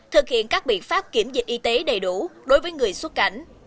thực hiện các biện pháp kiểm dịch y tế đầy đủ đối với người xuất cảnh